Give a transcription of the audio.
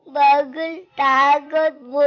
bagus takut bu